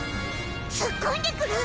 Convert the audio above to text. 突っ込んでくる？